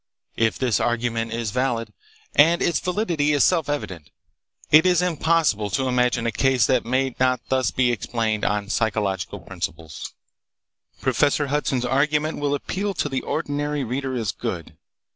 "If this argument is valid—and its validity is self evident—it is impossible to imagine a case that may not be thus explained on psychological principles." Professor Hudson's argument will appeal to the ordinary reader as good.